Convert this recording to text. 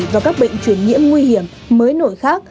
và các bệnh truyền nhiễm nguy hiểm mới nổi khác